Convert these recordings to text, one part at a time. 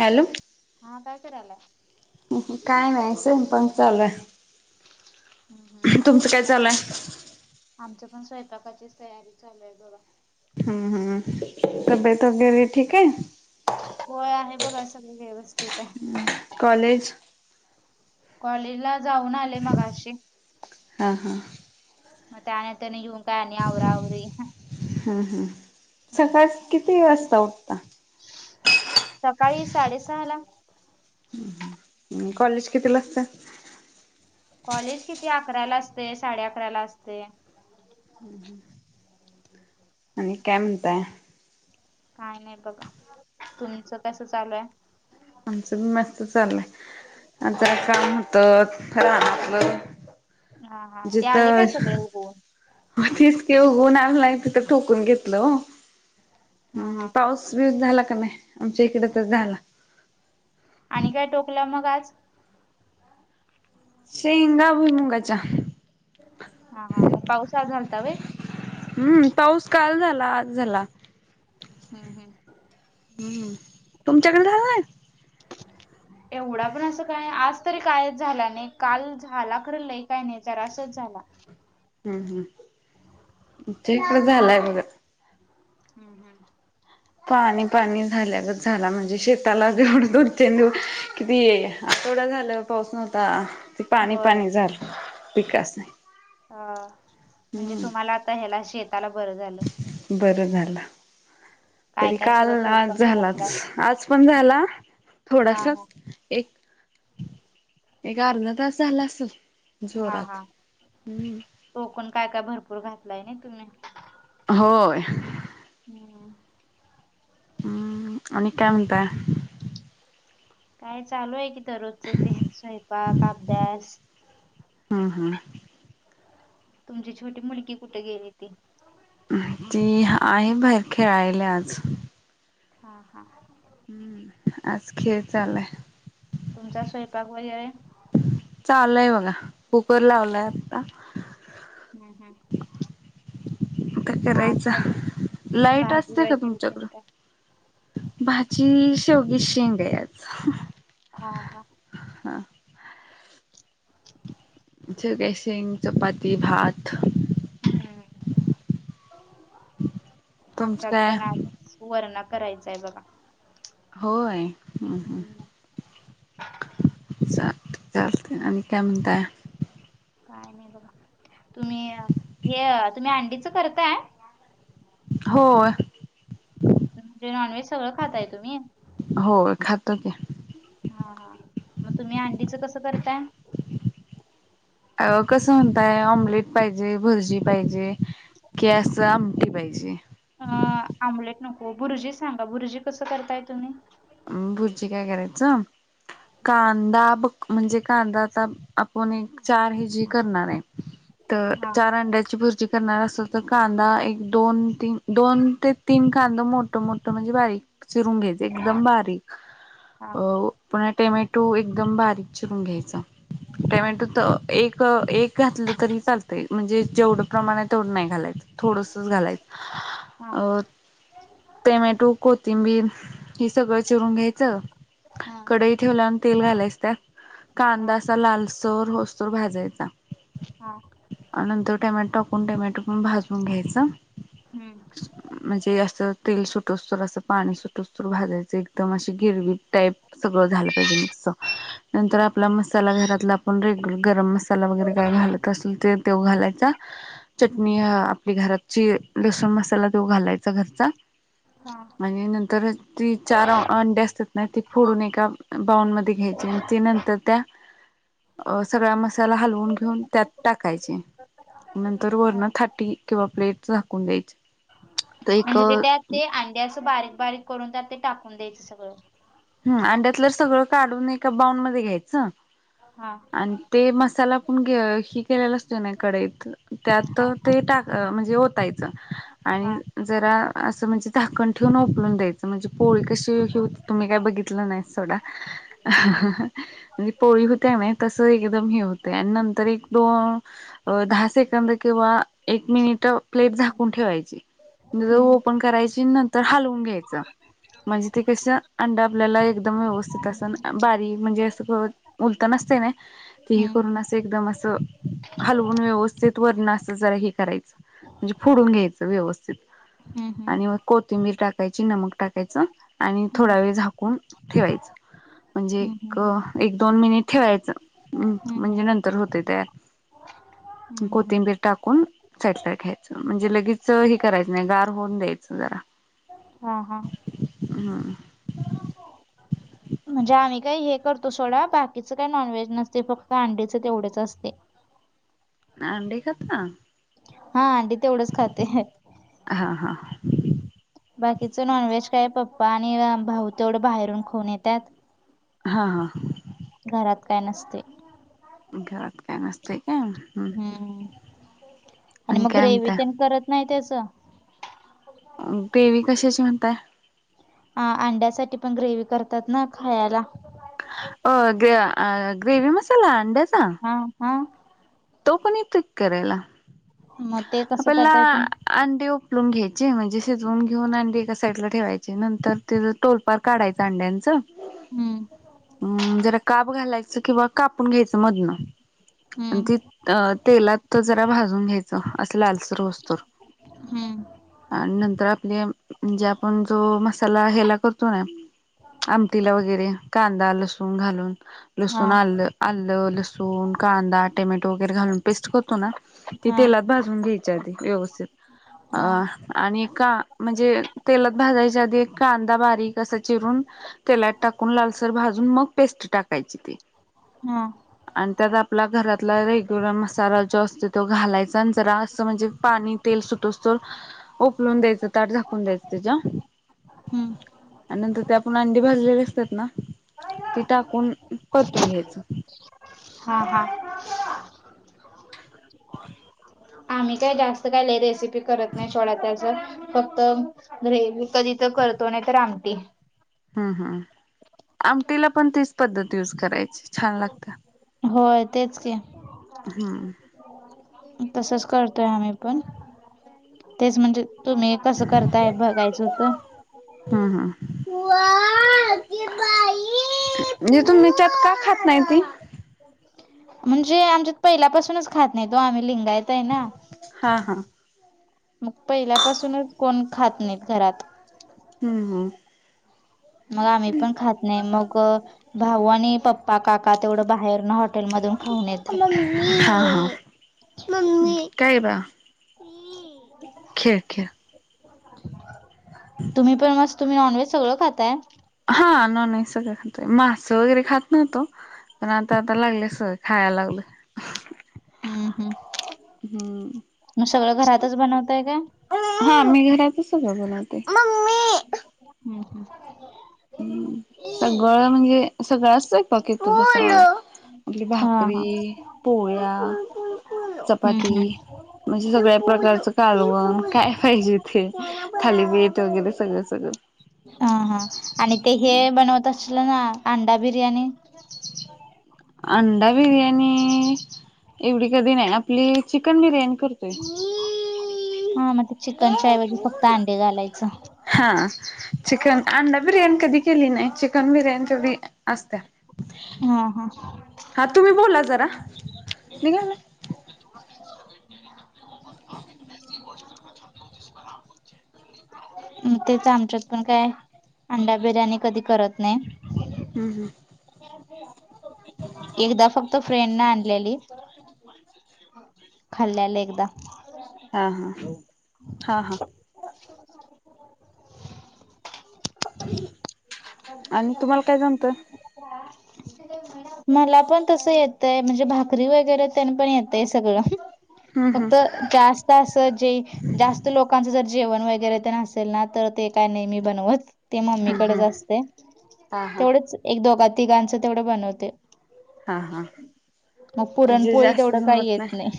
Hello! हा, काय करालायं? काय नाही, सहज फोन चालू आहे. हम्म हम्म. तुमचं काय अजून चालूयं? आमचं पण स्वयंपाकाचीच तयारी चालू आहे, बर. ह ह, तब्येत वगैरे ठीक आहे. होय, आहे बघा सगळी व्यवस्थित आहे. कॉलेज कॉलेज ला जाऊन आले मघाशी हा हा. म आता आन्या तानी घेऊन काय आता आवरा आवरी हम्म हम्म सकाळस किती वाजता उठता? सकाळी साडेसहाला. हूं हूं मंग कॉलेज कितीला असत. कॉलेज किती अकराला असतयं, साडे अकरा ला असतयं. ह ह. आणि काय म्हणताय? काय नाही बघा, तुमचं कसं चालू आहे? आमचं पण मस्त चालूयं, आमचं जरा हम्म काम होतं रानातलं. हा हा, ते आलयं काय सगळं उगवून? हो तेच की ओ उन्ह आलाय तिथ ठोकून घेतलं ओ हा हम्म हा पाऊस [unintelligible] झाला का नाय आमच्या इकड तर झाला. आणि काय टोकल्या मग आज शेंगा भुई मुंगाच्या हा हा म पाऊस आज आलता व्हय? हम्म पाऊस काल झाला आज झाला. हम्म हम्म. हम्म तुमच्याकड झाला नाय? [unintelligible] एवढा पण असं काय आज तरी कायच झाला नाय काल झाला खर लय काय नाय जरासंच झाला. हूं हूं आमच्याइकडं झालाय बघा. हम्म हम्म. पाणी पाणी झाल्यागत झाला म्हणजे शेताला जेवढं दोन तीन दिवस किती आठवडं झालं पाऊस नव्हता ते पाणी होय पाणी झालं पिकासनी. अ म्हणजे तुम्हाला आता ह्याला शेताला बरं झालं. बरं झालं काय तरी काय सगळं काल टोकन आज झालाच घातलाय आज पण झाला. हा थोडासा हा एक एक अर्धा तास झाला असल जोरात हम्म कोकमं काय काय भरपूर घातलाय नाय तुम्ही होय. हम्म. अम्म आणि काय म्हणताय. काय चालू आहे की दररोजच ते स्वयंपाक, अभ्यास हम् हम्. तुमची छोटी मुलगी कुठ गेली ती ती आहे बाहेर खेळायले आज हा हा. हम्म आज खेळ चालंलाय. तुमचा स्वयंपाक वगैरे चालू हाय बघा कुकर लावलाय आता हूं हूं आता करायचा लाईट भाजी असते का वगैरे तेन तुमच्याकड काय भाजी शेवग्याची शेंग आहे आज हा हा. हा. शेवग्याची शेंग चपाती भात हम्म तुमचं आमच्यात काय पण आज सुवर्णा करायचाय बघा. होय हूं हूं हम्म चालत चालतय आणि काय म्हणताय. काय नाय बघा तुम्ही हे तुम्ही अंडीच करताय. होय. म्हणजे नॉनव्हेज सगळं खाताय तुम्ही? होय, खातोय की. हा हा, मग तुम्ही अंडीचं कसं करताय? अ कसं म्हणताय ऑमलेट पाहिजे बुर्जी पाहिजे. की अस आमटी पाहिजे. अ आमलेट नको बुर्जी सांगा बुर्जी कसं करताय तुम्ही भुर्जी काय करायचं, कांदा ब- म्हणजे कांदा आता आपण एक चार हि जी करणार आहे, तर हा चार अंड्याची भुर्जी करणार असलं तर, कांदा एक दोन तीन, दोन ते तीन कांदा मोठ मोठ म्हणजे बारीक चिरून घ्यायचे. एकदम बारीक हा अ पुन्हा टोमॅटो एकदम बारीक चिरून घ्यायचा. हा टोमॅटो तर एक एक घातलं तरी चालतंय, म्हणजे जेवढं प्रमाण तेवढं नाही घालायचं. थोडससं घालायच, हा अ टोमॅटो, कोथिंबीर हे सगळं चिरून घ्यायचं. हा. कडई ठेवल्या वर तेल घालायच त्यात, हा कांदा असा लालसर होसतर भाजायचा. हा नंतर टोमॅटो टाकून टोमॅटो पण भाजून घ्यायचं. हम्म, म्हणजे असं तेल सुटस्तर असं पाणी सुटस्तर. भाजायचे एकदम अशी गिरवी टाईप. सगळं झालं पाहिजे, मिक्स नंतर आपला मसाला घरातला आपण रेग्युलर गरम मसाला त्याला वगैरे काय घालत असलं घालायचा, चटणी अ आपली घरातची लसूण मसाला तो घालायचा घरचा हा आणि नंतर ती चार अंडी असतात ना, ति फोडून एका बाऊल मध्ये घ्यायची आणि ते नंतर त्या अ सगळा मसाला हलवून घेऊन त्यात टाकायचे. नंतर हा. वरण ताटी किंवा प्लेट झाकून द्यायचे, तर एक म्हणजे ते त्यात ते अंडी असं बारीक बारीक करून त्यात ते टाकून द्यायचं सगळं. ह अंड्यातलं सगळं काढून एका बाउल मध्ये घ्यायचं. हा. आणि ते मसाला पण हि केलेला असतो क नाही, कढईत त्यात हा ते टाका म्हणजे ओतायच हा आणि जरा असं म्हणजे झाकण ठेवून ओपलून द्यायचं, म्हणजे पोळी कशी हे होतय तुम्ही मी काय बघितलं नाही सोडा. हम्म म्हणजे पोळी होते कनय, तसं एकदम हे होतय आणि नंतर एक दोन अ दहा सेकंद किंवा एक मिनिट प्लेट झाकून ठेवायची. जरा हम्म ओपन करायची नंतर हलवून घ्यायच, म्हणजे ते कसं अंडा आपल्याला एकदम व्यवस्थित असं, बारीक म्हणजे असं उलतान नसते कनय ते हे हम्म करून असं एकदम असं हलवून व्यवस्थित वरण असं जरा हे करायचं. म्हणजे फोडून घ्यायचं व्यवस्थित. हम्म आणि वर कोथिंबीर टाकायची, नमक टाकायचं आणि हम्म थोडा वेळ झाकून ठेवायचं म्हणजे हम्म एक हम्म एक दोन मिनिट ठेवायचं हम्म हम्म म्हणजे नंतर होतय तयार. हम्म हम्म कोथिंबीर टाकून फेटलाय घ्यायचं म्हणजे लगेच हे करायचं नाही, गार होऊन द्यायचं जरा. हा हा. हम्म म्हणजे आम्ही काही हे करतो सोडा. बाकीचं काही नॉनव्हेज नसतय, फक्त अंडीच तेवढेच असतय. अंडी खाता? हा अंडी तेवढंच खाते. हा हा. ह [unintelligible] बाकीच नॉनव्हेज काय पप्पा आणि भाऊ तेवढं बाहेरून खाऊन येतात. हा हा घरात काय नसतय. घरात काम नसतय काय. हम्म आणि मग काय ग्रेवी म्हणताय? तेन करत नाही त्याच? देवी कशाची म्हणताय? ह अंड्यासाठी पण ग्रेवी करतात ना खायाला अ ग अ ग्रेवी मसाला अंड्याचा? हा हा तो पण येतो की करायला मग ते कसं करताय तुम्ही अंडी उपलून घ्यायचे. म्हणजे शिजवून घेऊन अंडी एका साईड ला ठेवायचे नंतर त्याज टोलपार काढायचं अंड्यांचं हम्म अं जरा काप घालायचं किंवा कापून घ्यायचं मधनं आणि हम्म ती अ तेलात जरा भाजून घ्यायचं अस लालसर होवूस्तोर हम्म आणि नंतर आपले म्हणजे आपण जो मसाला ह्याला करतो ना आमटीला वगैरे कांदा लसूण घालून हा लसूण आलं आलं, लसूण, कांदा, टमॅटो, वगैरे घालून पेस्ट करतो ना ती हा तेलात भाजून घ्यायची. घ्यायचे [unintelligible] आधी हा व्यवस्थित आणि का म्हणजे तेलात भाजायच्या आधी एक कांदा बारीक असा चिरून तेलात टाकून लालसर भाजून मग पेस्ट टाकायची ती हं आणि त्यात आपला घरातला रेग्युलर मसाला जो असतो तो घालायचा जरास म्हणजे पाणी तेल सुटोस्तर उपलून द्यायचं ताट झाकून द्यायचं त्याज्या हम्म आणि नंतर ते आपण अंडी भाजलेले असतात ना? ती टाकून परतून घ्यायचं. हा हा आम्ही काय जास्त काय लय रेसिपी करत नाय छोड्या [unintelligible] त्याच फक्त ग्रेवी कधी तर करतो नाही तर आमटी हम् हम् आमटीला पण तीच पद्धत युज करायची. छान लागत. होय तेच की हम्म तसच करतोय आम्ही पण तेच म्हणजे तुम्ही कसं करताय बघायचं होत. हं हं [inaudible] [inaudible] म्हणजे तुम्ही त्यात का खात नाही ती म्हणजे आमच्यात पहिल्यापासूनच खात नाहीत वो आम्ही लिंगायत ना हा हा. मग पहिल्यापासूनच कोण खात नाहीत घरात हम्म हम मग आम्ही पण खात नाही मग भाऊ आणि पप्पा काका तेवढं बाहेरनं हाॅ हॉटेल मधून खाऊन येतात हम्म हा ह ममी काय बाळा [inaudible] खेळ खेळ तुम्ही पण मस तुम्ही नॉनव्हेज सगळं खाताय? हा नॉनव्हेज सगळं खातोय मासं वगैरे खात नव्हतो पण आता आता लागले खायला लागलोय. हम्म हम्म हम्म मग सगळं घरातच बनवताय काय? हा मी घरातच सगळं बनवते हम्म हम्म हम्म सगळं म्हणजे सगळं असतं येतस म्ह हा हा भाकरी पोळ्या हम्म चपाती हम्म म्हणजे सगळ्या प्रकारचं कालवण काय पाहिजे तेे थालीपीठ वगैरे सगळं सगळं हा हा आणि ते हे बनवत अशीला ना अंडा बिर्याणी? अंडा बिर्याणी एवढी कधी नाही आपली चिकन बिर्याणी करतो. हा मग ते चिकनच्याऐवजी फक्त अंडे घालायचं. हा चिकन अंडा बिर्याणी कधी केली नाही. चिकन बिर्याणी तेवढी असतेया. हा हा हा तुम्ही बोला जरा निघाला [unintelligible] म तेच आमच्यात पण काय अंडा बिर्याणी कधी करत नाही हम् हम् एकदा फक्त फ्रेंड न आणलेली खाल्ल्याला एकदा हा हा हा हा [inaudible] आणि तुम्हाला काय जमतय मला पण तस येतय म्हणजे भाकरी वगैरे त्यांनी पण येतय सगळं हम्म हम्म फक्त गॅस असं जे जास्त लोकांचं जर जेवण वगैरे तर नसेल ना तर ते काय नाही मी बनवत ते हम्म मम्मीकडेच हम्म असते हा हा तेवढंच एक दोघा तिघांचं तेवढं बनवते हा हा मग म्हणजे पुरणपोळी जास्त तेवढं काही जमत येत नाही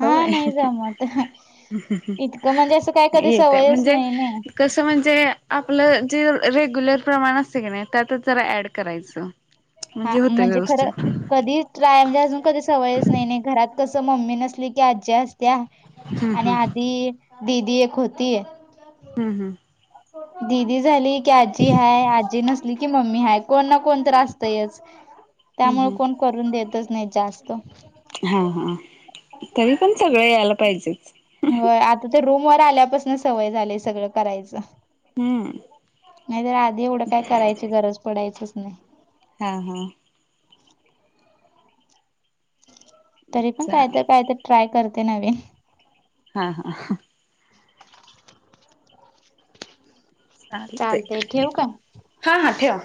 हा होय नाही जमत इतकं म्हणजे असं काय कधी सवयच नाही ना कस म्हणजे आपलं जे रेग्युलर प्रमाण असत की नाही त्यात जरा ऍड करायचं म्हणजे होतंय व्यवस्थित तर कधी ट्राय म्हणजे अजून कधी सवयच नाही नाही घरात कसं मम्मी नसली की आजी असत्या हम्म आणि हम्म आधी दीदी एक होती हम् हम् दिदी झाली की आजी हाय आजी नसली की मम्मी हाय कोण ना कोण तर असतयच हम्म त्यामुळे कोण हम्म करून देतच नाही जास्त हा हा तरी पण सगळें यायला पाहिजेच हो आता ते रूमवर आल्यापासून सवय झाली सगळं करायचं हम्म नाही तर आधी एवढं काय करायची गरज पडायचीच नाही हा हा तरी पण चा काय तर काय तर ट्राय करते नवीन हा हा चालतंय ठेवू का? हा हा ठेवा